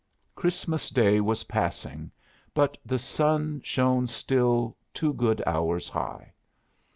Christmas Day was passing, but the sun shone still two good hours high.